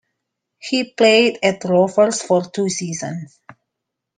He played at Rovers for two seasons.